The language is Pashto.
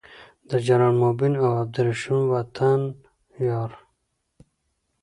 د جنرال مؤمن او عبدالرشید وطن یار